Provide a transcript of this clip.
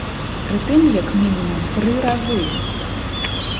Прытым як мінімум тры разы.